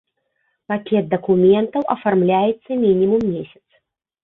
Пакет дакументаў афармляецца мінімум месяц.